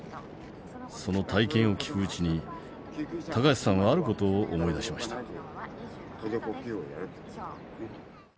その体験を聞くうちに橋さんはある事を思い出しました。